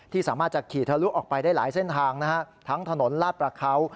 สามารถจะขี่ทะลุออกไปได้หลายเส้นทางนะฮะทั้งถนนลาดประเขา